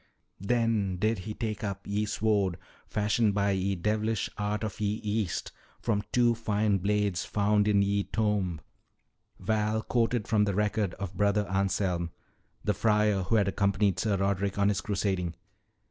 "'Then did he take up ye sword fashioned by ye devilish art of ye East from two fine blades found in ye tomb,'" Val quoted from the record of Brother Anselm, the friar who had accompanied Sir Roderick on his crusading.